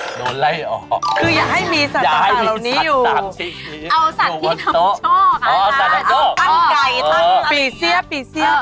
คือยากให้มีสัตว์ถังเหล่านี้อยู่อยู่พวกตั๊กไก่ปีเซียบ